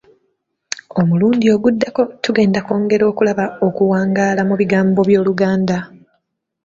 Omulundi ogunaddako tugenda kwongera okulaba okuwangaala mu bigambo by'Oluganda.